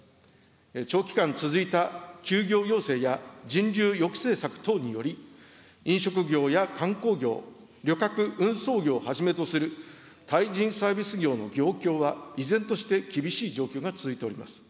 長期間続いた休業要請や人流抑制策等により、飲食業や観光業、旅客運送業をはじめとする対人サービス業の業況は、依然として厳しい状況が続いております。